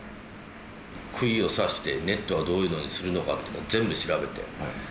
くいを刺してネットはどういうのにするのか全部調べて。